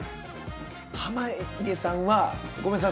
濱家さんはごめんなさい